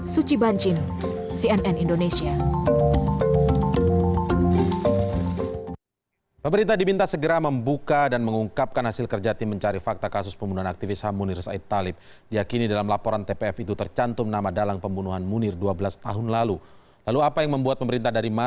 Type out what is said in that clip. suci banjim cnn indonesia